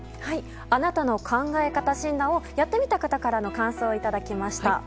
あなたの考え方診断をやってみた方からの感想をいただきました。